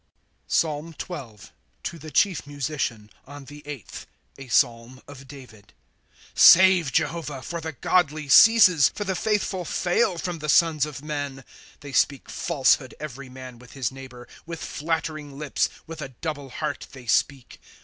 PSALM XII. To the chief Musician. On the eighth. A Psahn of David. ^ Save, Jehovah, for the godly ceases ; For the faithful fail from the sons of men. 2 Tliey speak falsehood every man with his neighbor ; With flattering lips, with a double heart, they speak.